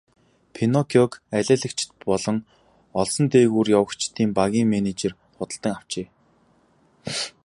Пиноккиог алиалагчид болон олсон дээгүүр явагчдын багийн менежер худалдан авчээ.